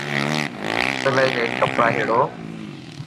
سلائي ڪرين ڪپڙا ھيڙوو